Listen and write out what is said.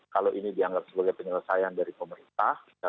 kalau ini dianggap sebagai penyelesaian dari pemerintah